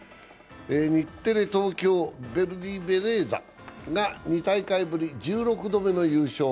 日テレ・東京ヴェルディベレーザが２大会ぶり１６度目の優勝。